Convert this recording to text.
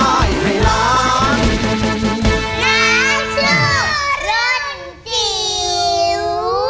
น้าช่วงร้อนจิ๋ว